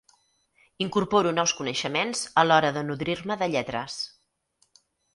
Incorporo nous coneixements a l'hora de nodrir-me de lletres.